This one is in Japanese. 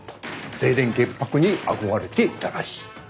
清廉潔白に憧れていたらしい。